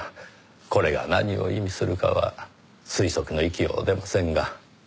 これが何を意味するかは推測の域を出ませんが。